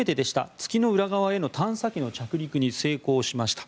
月の裏側への探査機の着陸に成功しました。